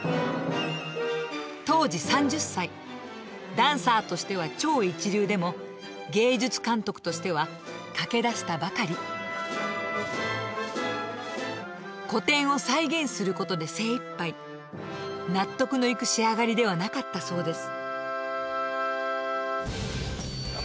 当時３０歳ダンサーとしては超一流でも芸術監督としては駆け出したばかり古典を再現することで精いっぱい納得のいく仕上がりではなかったそうです